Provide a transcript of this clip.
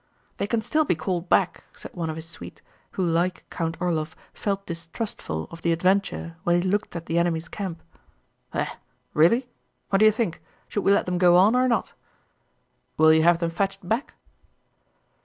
"They can still be called back," said one of his suite, who like Count Orlóv felt distrustful of the adventure when he looked at the enemy's camp. "Eh? Really... what do you think? Should we let them go on or not?" "Will you have them fetched back?"